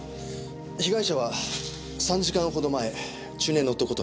被害者は３時間ほど前中年の男と入室。